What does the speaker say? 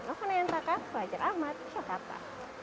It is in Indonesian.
ngoho nenang takar selajar ahmad yogyakarta